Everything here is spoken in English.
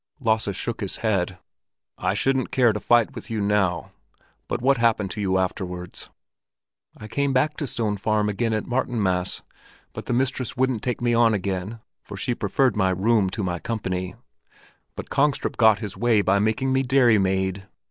Lasse shook his head. "I shouldn't care to fight with you now. But what happened to you afterwards?" "I came back to Stone Farm again at Martinmas, but the mistress wouldn't take me on again, for she preferred my room to my company. But Kongstrup got his way by making me dairymaid.